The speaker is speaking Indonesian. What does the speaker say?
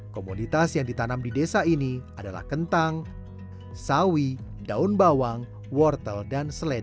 komoditas yang ditanam di desa ini adalah kentang sawi daun bawang wortel dan seled